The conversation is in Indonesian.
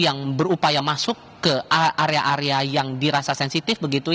yang berupaya masuk ke area area yang dirasa sensitif begitu